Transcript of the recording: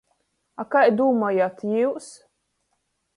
A kai dūmojat jius?